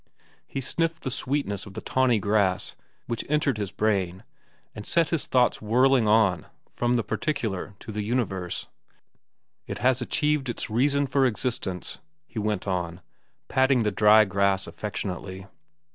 He sniffed the sweetness of the tawny grass, which entered his brain and set his thoughts whirling on from the particular to the universal. "It has achieved its reason for existence," he went on, patting the dry grass affectionately.